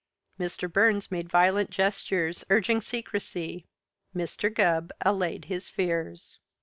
Mr. Burns made violent gestures, urging secrecy. Mr. Gubb allayed his fears.